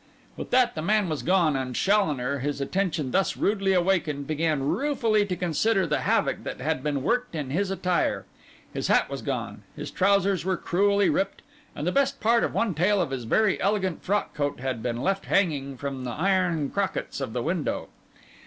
With that the man was gone, and Challoner, his attention thus rudely awakened, began ruefully to consider the havoc that had been worked in his attire. His hat was gone; his trousers were cruelly ripped; and the best part of one tail of his very elegant frockcoat had been left hanging from the iron crockets of the window.